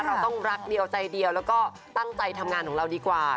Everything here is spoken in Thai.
เราต้องรักเดียวใจเดียวแล้วก็ตั้งใจทำงานของเราดีกว่า